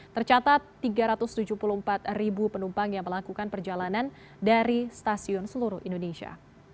tercatat tiga ratus tujuh puluh empat ribu penumpang yang melakukan perjalanan dari stasiun seluruh indonesia